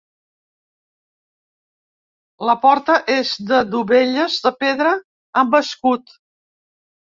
La porta és de dovelles de pedra amb escut.